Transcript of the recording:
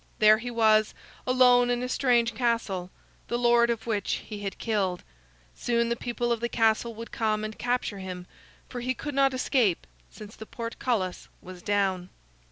There he was, alone in a strange castle, the lord of which he had killed. Soon the people of the castle would come and capture him, for he could not escape, since the portcullis was down.